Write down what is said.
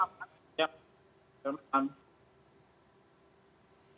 ya selamat pagi